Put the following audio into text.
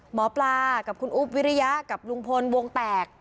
หมอปลากับคุณอุ๊บวิริยะกับลุงพลวงแตก